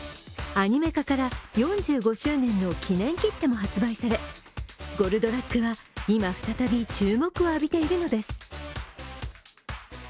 アニメ化から４５周年の記念切手も発売され、「ゴルドラック」は今再び注目を浴びているのです。